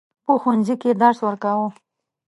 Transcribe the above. په ښوونځي کې درس ورکاوه.